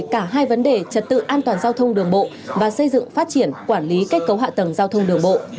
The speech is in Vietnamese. kết cấu hạ tầng giao thông đường bộ